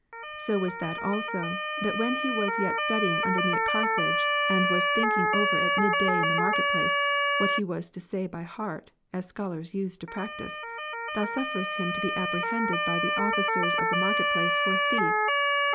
So was that also, that when he was yet studying under me at Carthage, and was thinking over at mid day in the market place what he was to say by heart, (as scholars use to practise,) Thou sufieredst him to be apprehended by the officers of the market place for a thief.